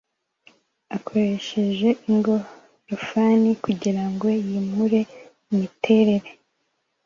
akoresheje ingorofani kugirango yimure imiterere